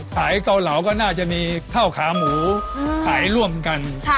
เกาเหลาก็น่าจะมีข้าวขาหมูขายร่วมกัน